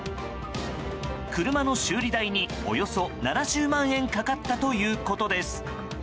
車の修理代に、およそ７０万円かかったということです。